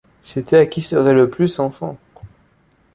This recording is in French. C’était à qui serait le plus enfant.